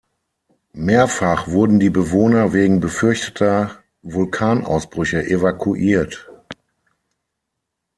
Mehrfach wurden die Bewohner wegen befürchteter Vulkanausbrüche evakuiert.